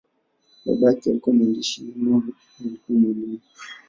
Baba yake alikuwa mwandishi, mama alikuwa mwalimu.